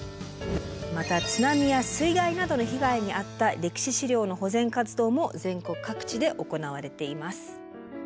また津波や水害などの被害に遭った歴史資料の保全活動も全国各地で行われています。